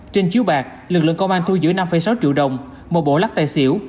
trên chiếu bạc lực lượng công an thu giữ năm sáu triệu đồng một bộ lắc tài xỉu